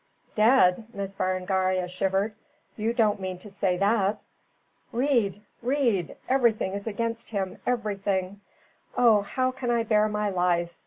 "Dead!" Miss Berengaria shivered. "You don't mean to say that." "Read! Read! Everything is against him everything. Oh, how can I bear my life?